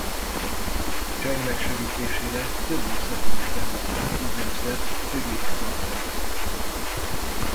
Cheng megsegítésére több országban is rendeztek úgynevezett tribute-koncerteket.